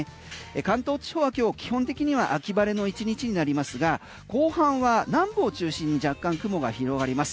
関東地方は今日基本的には秋晴れの１日になりますが後半は南部を中心に若干雲が広がります。